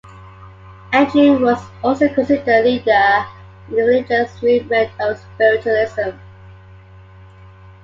Andrews was also considered a leader in the religious movement of Spiritualism.